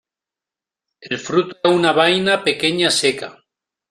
El fruto es una vaina pequeña seca.